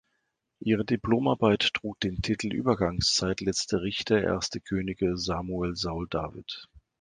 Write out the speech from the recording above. Ihre Diplomarbeit trug den Titel "Übergangszeit letzte Richter erste Könige Samuel Saul David".